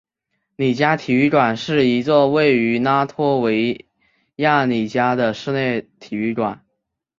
里加体育馆是一座位于拉脱维亚里加的室内体育馆。